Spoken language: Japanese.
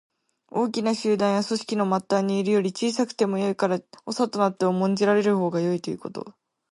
大きな集団や組織の末端にいるより、小さくてもよいから長となって重んじられるほうがよいということ。